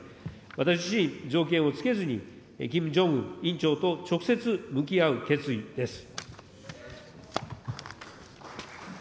私自身、条件をつけずにキム・ジョンウン委員長と直接向き合う決意です。